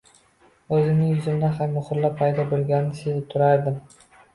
Oʻzimning yuzimda ham muhrlar paydo boʻlganini sezib turardim.